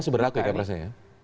masih berlaku ya prosesnya ya